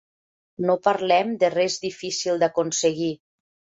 No parlem de res difícil d'aconseguir.